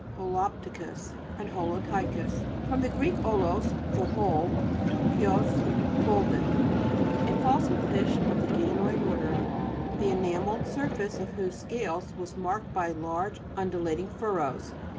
HOLO'PTICUS, and HOLOPTT'CHIUS fr. gr. 0/05, the whole, ptuchios, folded. A fossil fish of the ganoid order, the enamelled surface of whose scales was marked by large undulating furrows.